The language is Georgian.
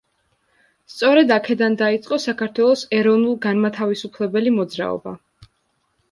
სწორედ აქედან დაიწყო საქართველოს ეროვნულ-განმათავისუფლებელი მოძრაობა.